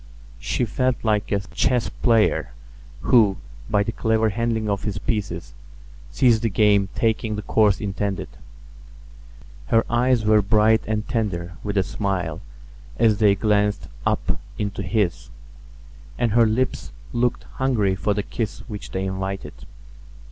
She felt like a chess player who, by the clever handling of his pieces, sees the game taking the course intended. Her eyes were bright and tender with a smile as they glanced up into his; and her lips looked hungry for the kiss which they invited.